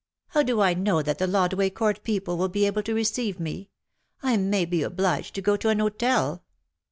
" How do I know that the Lodway Court people will be able to receive me. I may be obliged to go to an hotel."